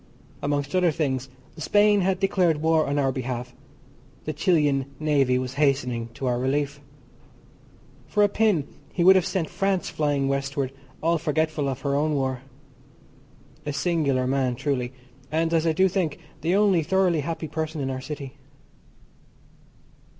Amongst other things Spain had declared war on our behalf, the Chilian Navy was hastening to our relief. For a pin he would have sent France flying westward all forgetful of her own war. A singular man truly, and as I do think the only thoroughly happy person in our city.